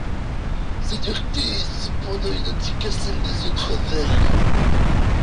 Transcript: Sa dureté est cependant identique à celle des autres verres.